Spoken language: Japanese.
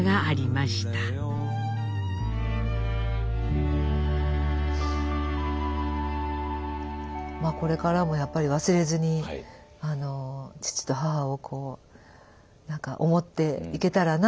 まあこれからもやっぱり忘れずに父と母をこう何か思っていけたらなと思いますね。